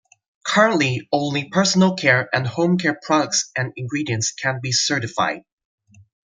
Currently only personal care and home care products and ingredients can be certified.